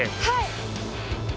はい。